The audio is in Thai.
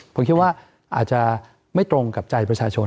ผมคิดว่าอาจจะไม่ตรงกับใจประชาชน